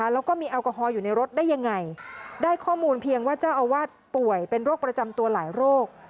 แล้วก็มีแอลกอฮอลอยู่ในรถได้ยังไงได้ข้อมูลเพียงว่าเจ้าอาวาสป่วยเป็นโรคประจำตัวหลายโรค